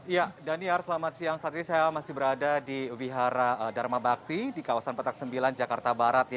ya daniar selamat siang saat ini saya masih berada di wihara dharma bakti di kawasan petak sembilan jakarta barat